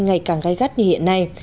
ngày càng gai gắt như hiện nay